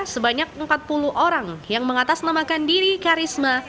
sebanyak empat puluh orang yang mengatasnamakan diri karisma